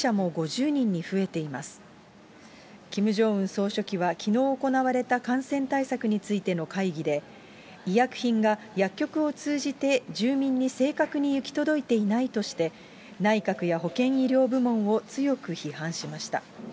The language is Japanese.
総書記は、きのう行われた感染対策についての会議で、医薬品が薬局を通じて住民に正確に行き届いていないとして、内閣や保健医療部門を強く批判しました。